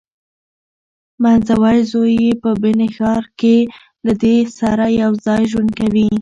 منځوی زوی یې په بن ښار کې له دې سره یوځای ژوند کوي.